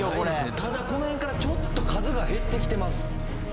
ただこの辺からちょっと数が減ってきてます。